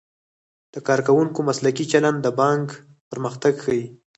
د کارکوونکو مسلکي چلند د بانک پرمختګ ښيي.